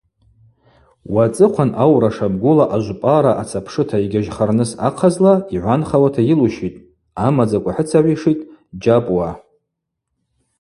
Уацӏыхъван аура шабгула ажвпӏара ацапшыта йгьажьхарныс ахъазла йгӏванхауата йылущитӏ, – амадзаква хӏыцагӏвишитӏ Джьапӏуа.